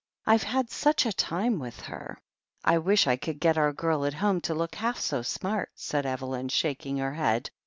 I've had such a time with her!" "I wish I could get our girl at home to look half so smart," said Aunt Evelyn, shaking her head.